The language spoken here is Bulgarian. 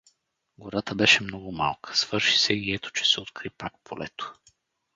Гората беше много малка, свърши се и ето че се откри пак полето.